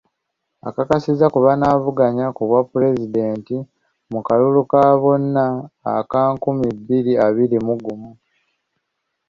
Akakasibwa ku banaavuganya ku bwapulezidenti mu kalulu ka bonna aka nkumi bbiri abiri mu gumu.